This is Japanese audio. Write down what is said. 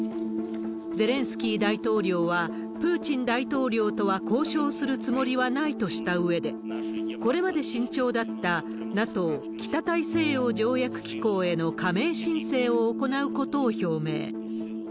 ゼレンスキー大統領は、プーチン大統領とは交渉するつもりはないとしたうえで、これまで慎重だったＮＡＴＯ・北大西洋条約機構への加盟申請を行うことを表明。